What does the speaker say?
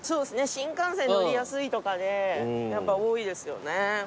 新幹線乗りやすいとかでやっぱ多いですよね。